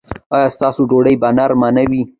ایا ستاسو ډوډۍ به نرمه نه وي؟